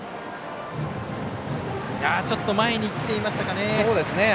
ちょっと前に来ていましたかね。